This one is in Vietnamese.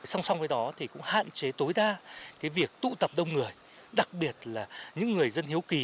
song song với đó thì cũng hạn chế tối đa việc tụ tập đông người đặc biệt là những người dân hiếu kỳ